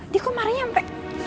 dia kok marahnya sampe